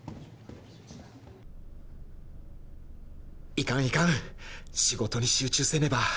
いかんいかん仕事に集中せねば